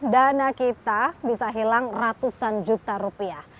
dana kita bisa hilang ratusan juta rupiah